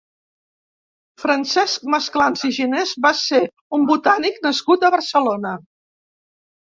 Francesc Masclans i Girvès va ser un botànic nascut a Barcelona.